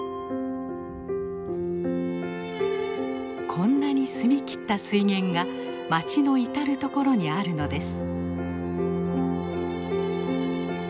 こんなに澄み切った水源が町の至る所にあるのです。